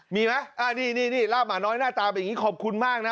มีไหมนี่ลาบหมาน้อยหน้าตาเป็นอย่างนี้ขอบคุณมากนะ